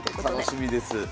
楽しみです。